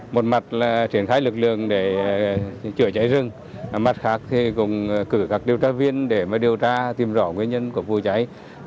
một mặt là triển khai lực lượng để chữa cháy rừng mặt khác thì cũng cử các điều tra viên để điều tra tìm rõ nguyên nhân của vụ cháy